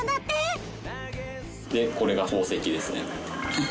これが宝石ですね。